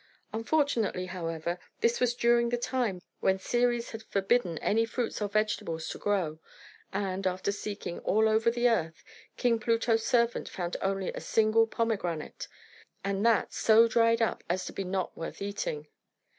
Unfortunately, however, this was during the time when Ceres had forbidden any fruits or vegetables to grow; and, after seeking all over the earth, King Pluto's servant found only a single pomegranate, and that so dried up as to be not worth eating.